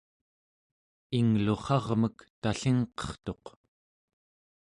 inglurrarmek tallingqertuq